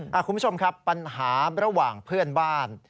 คุณผู้ชมครับปัญหาระหว่างเพื่อนบ้าน